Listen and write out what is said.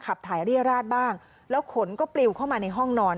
ขับถ่ายเรียราชบ้างแล้วขนก็ปลิวเข้ามาในห้องนอน